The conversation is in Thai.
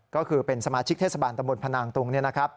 ก็คือเป็นสมาชิกเทศบาลตะบนพนางตุง